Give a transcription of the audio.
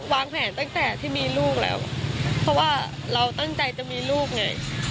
วางแผนตั้งแต่ที่มีลูกแล้วเพราะว่าเราตั้งใจจะมีลูกไง